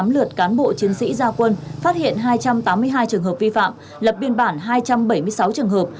hai trăm năm mươi tám lượt cán bộ chiến sĩ gia quân phát hiện hai trăm tám mươi hai trường hợp vi phạm lập biên bản hai trăm bảy mươi sáu trường hợp